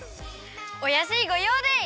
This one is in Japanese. おやすいごようでい！